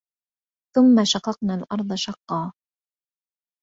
ثُمَّ شَقَقْنَا الْأَرْضَ شَقًّا